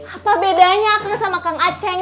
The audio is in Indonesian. apa bedanya akan sama kang aceng